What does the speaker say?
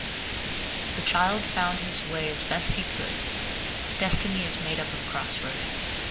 The child found his way as best he could. Destiny is made up of cross roads.